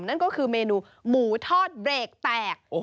นั่นก็คือเมนูหมูทอดเบรกแตก